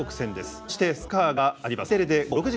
そしてサッカーがあります。